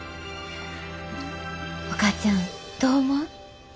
お母ちゃんどう思う？